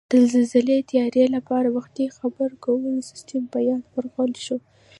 د زلزلې تیاري لپاره وختي خبرکولو سیستم بیاد ورغول شي